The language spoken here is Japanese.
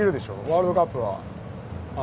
ワールドカップは。